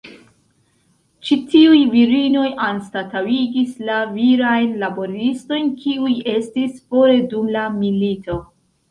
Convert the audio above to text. Ĉi tiuj virinoj anstataŭigis la virajn laboristojn, kiuj estis fore dum la milito.